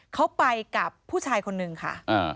เขาไปกับผู้ชายคนนึงค่ะ